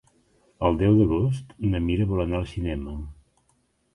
El deu d'agost na Mira vol anar al cinema.